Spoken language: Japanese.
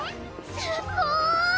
・すっごい！